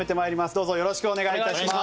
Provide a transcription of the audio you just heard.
どうぞよろしくお願い致します。